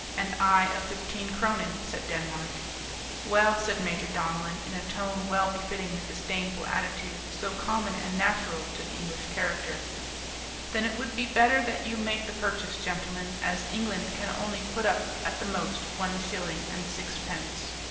"And I of fifteen cronen," said Denmark. "Well," said Major Donellan, in a tone well befitting the disdainful attitude so common and natural to the English character, "then it would be better that you make the purchase, gentlemen, as England can only put up at the most one shilling and sixpence."